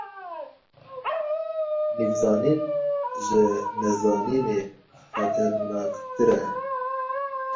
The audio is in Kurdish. Nîvzanîn, ji nezanînê xeternaktir e.